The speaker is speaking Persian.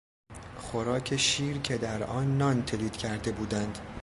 خوراک شیر که در آن نان تلیت کرده بودند